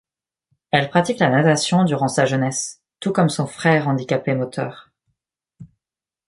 Elle pratique la natation durant sa jeunesse, tout comme son frère handicapé moteur.